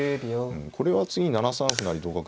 これは次７三歩成同角